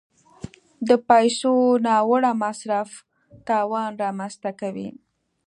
د پیسو ناوړه مصرف تاوان رامنځته کوي.